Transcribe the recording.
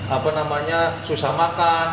apa namanya susah makan